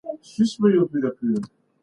ایا په اوښکو او عاجزۍ ګناهونه بخښل کیږي؟